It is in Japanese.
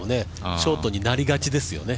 ショートにはなりがちですよね。